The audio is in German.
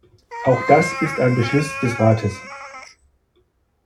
Auch das ist ein Beschluss des Rates.